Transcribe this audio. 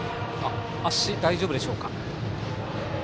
足が大丈夫でしょうか。